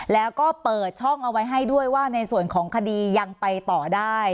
แล้วก็เปิดช่องเอาไว้ให้ด้วยว่าในส่วนของคดียังไปต่อได้